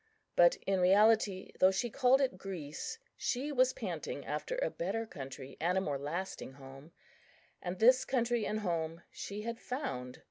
But in reality, though she called it Greece, she was panting after a better country and a more lasting home, and this country and home she had found.